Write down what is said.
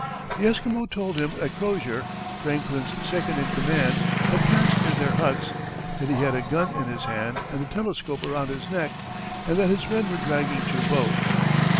The Esquimaux told him that Crozier, Franklin's second in command, had passed near their huts; that he had a gun in his hand and a telescope around his neck, and that his men were dragging two boats.